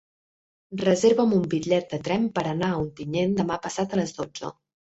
Reserva'm un bitllet de tren per anar a Ontinyent demà passat a les dotze.